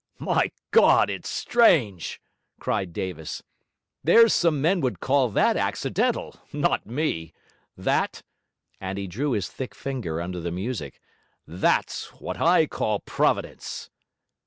'My God, it's strange!' cried Davis. 'There's some men would call that accidental: not me. That ' and he drew his thick finger under the music 'that's what I call Providence.'